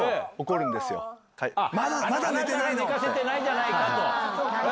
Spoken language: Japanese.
寝かせてないじゃないか！と。